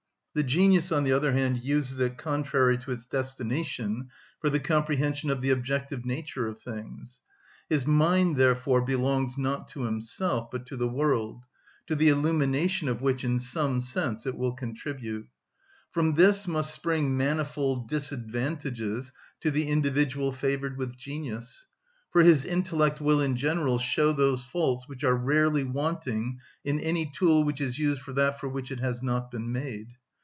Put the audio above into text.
The genius, on the other hand, uses it, contrary to its destination, for the comprehension of the objective nature of things. His mind, therefore, belongs not to himself, but to the world, to the illumination of which, in some sense, it will contribute. From this must spring manifold disadvantages to the individual favoured with genius. For his intellect will in general show those faults which are rarely wanting in any tool which is used for that for which it has not been made.